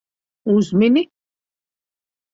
Uzmini.